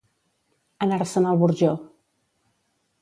Anar-se'n al Burjó.